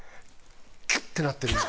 ギュッてなってる今。